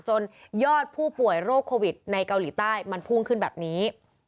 ยอดผู้ป่วยโรคโควิดในเกาหลีใต้มันพุ่งขึ้นแบบนี้